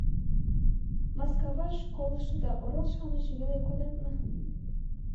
Маскаваш колышо да орол-шамыч веле кодыныт мо?